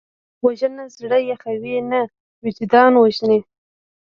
وژنه زړه یخوي نه، وجدان وژني